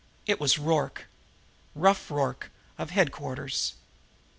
It was Rorke "Rough" Rorke, of headquarters.